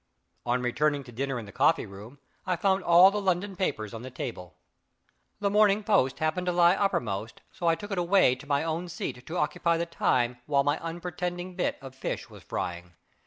On returning to dinner in the coffee room, I found all the London papers on the table. The Morning Post happened to lie uppermost, so I took it away to my own seat to occupy the time, while my unpretending bit of fish was frying.